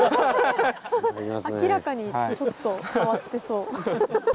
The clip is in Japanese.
明らかにちょっと変わってそう。